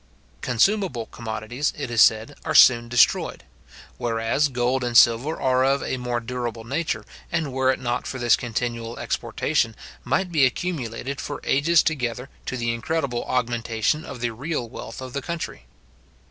Consumable commodities, it is said, are soon destroyed; whereas gold and silver are of a more durable nature, and were it not for this continual exportation, might be accumulated for ages together, to the incredible augmentation of the real wealth of the country.